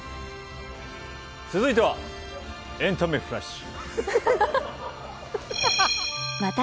続いては「エンタメフラッシュ」。